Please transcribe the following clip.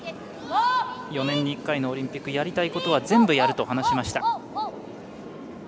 ４年に１回のオリンピックやりたいことは全部やると話しました。